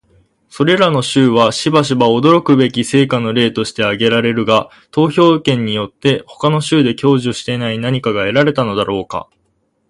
それらの州はしばしば驚くべき成果の例として挙げられるが、投票権によって他の州で享受していない何かが得られたのだろうか？